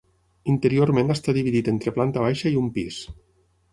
Interiorment està dividit entre planta baixa i un pis.